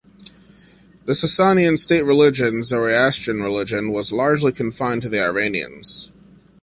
The Sasanian state religion, Zoroastrian religion, was largely confined to the Iranians.